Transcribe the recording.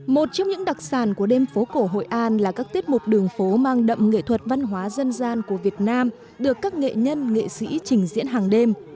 một trong những đặc sản của đêm phố cổ hội an là các tiết mục đường phố mang đậm nghệ thuật văn hóa dân gian của việt nam được các nghệ nhân nghệ sĩ trình diễn hàng đêm